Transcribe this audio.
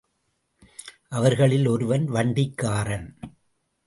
அவர்களில் ஒருவன் வண்டிக்காரன்.